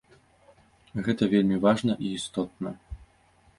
Гэта вельмі важна і істотна.